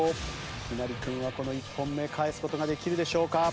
陽成君はこの１本目返す事ができるでしょうか？